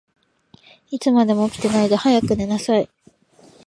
いつまでも起きてないで、早く寝なさい。